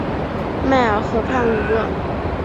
迈尔河畔卢热。